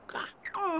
うん。